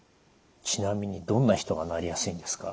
ちなみにどんな人がなりやすいんですか？